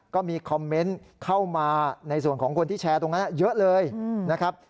ก็มีคอมเมนต์เข้ามาในส่วนของคนที่แชร์ตรงนั้นเยอะเลยนะครับ